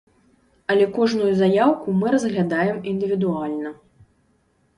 Але кожную заяўку мы разглядаем індывідуальна.